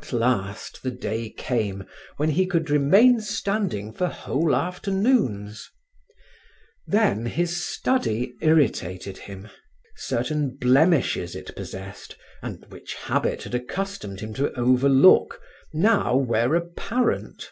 At last the day came when he could remain standing for whole afternoons. Then his study irritated him. Certain blemishes it possessed, and which habit had accustomed him to overlook, now were apparent.